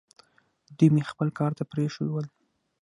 دوی مې خپل کار ته پرېښوول.